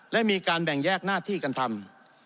และมีการแบ่งแยกหน้าที่กันทำ